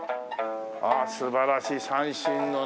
ああ素晴らしい三線のね。